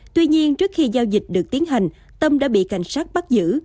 tuy nhiên trước khi giao dịch được tiến hành tâm đã bị cảnh sát bắt giữ